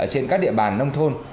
trên các địa bàn nông thôn